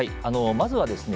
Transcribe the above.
まずはですね